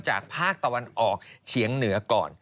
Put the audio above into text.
ภาคตะวันออกเฉียงเหนือก่อน